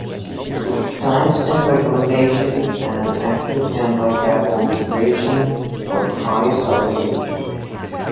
TimesTen recommends an active-standby pair configuration for highest availability.